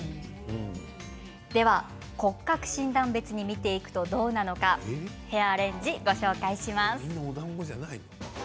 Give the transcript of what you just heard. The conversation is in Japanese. では骨格診断で見ていくとどうなのかヘアアレンジをご紹介します。